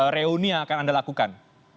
reuni yang akan anda lakukan